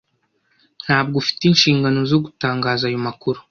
Ntabwo ufite inshingano zo gutangaza ayo makuru.